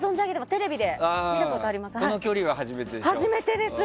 テレビで見たことあります。